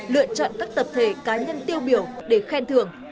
lựa chọn các tập thể cá nhân tiêu biểu để khen thưởng